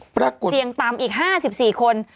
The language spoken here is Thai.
ปรากฏเสี่ยงต่ำอีก๕๔คน